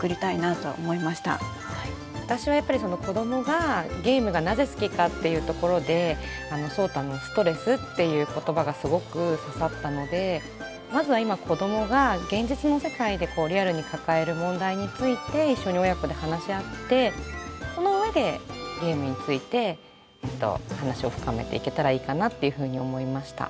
私はやっぱり子どもがゲームがなぜ好きかっていうところでそうたの「ストレス」っていう言葉がすごく刺さったのでまずは今子どもが現実の世界でリアルに抱える問題について一緒に親子で話し合ってその上でゲームについて話を深めていけたらいいかなっていうふうに思いました。